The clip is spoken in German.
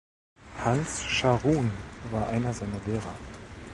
Hans Scharoun war einer seiner Lehrer.